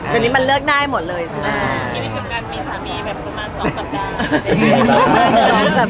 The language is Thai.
วันนี้มันเลือกได้หมดเลยใช่มั้ย